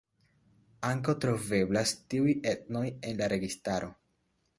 Ankaŭ troveblas tiuj etnoj en la registaro.